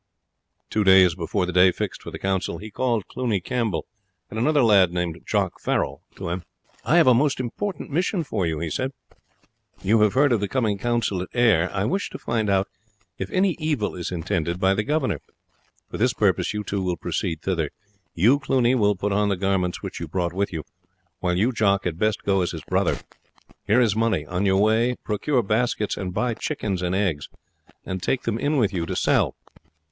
Two days before the day fixed for the council he called Cluny Campbell and another lad named Jock Farrel to him. "I have a most important mission for you," he said. "You have heard of the coming council at Ayr. I wish to find out if any evil is intended by the governor. For this purpose you two will proceed thither. You Cluny will put on the garments which you brought with you; while you Jock had best go as his brother. Here is money. On your way procure baskets and buy chickens and eggs, and take them in with you to sell.